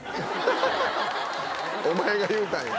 お前が言うたんや。